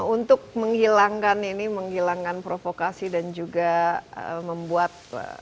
untuk menghilangkan provokasi dan juga membuat